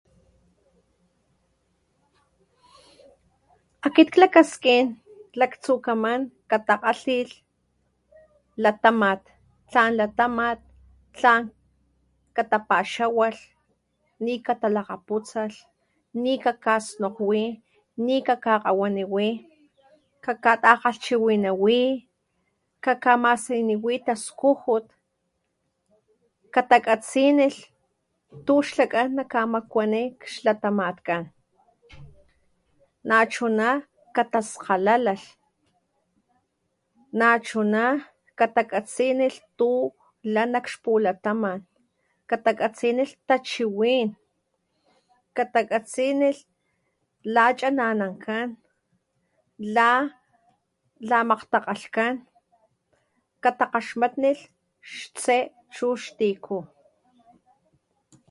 Akit klakaskin laktsukaman katakgalilh latamat tlan latamat tlan katapaxawalh nikata lakgaputsalh ni kakasnokgwi, ni kakakgawanini kakatakalhchiwinami kakamasiniwi taskujut katakatsinilh tu xlakgan nakamakuani nak xlatamatkan nachuna kataskgalalalh, nachuna katakatsinilh tu la nak ixpulataman katakatsinilh tachiwin, katakatsinilh la chananankan la lamakgtakalhkan katakgaxmatli xtse chu xtiku